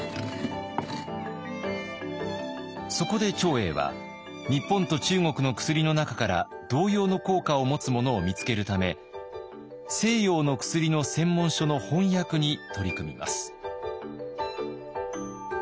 そこで長英は日本と中国の薬の中から同様の効果を持つものを見つけるため西洋の薬の専門書の翻訳に取り組みます。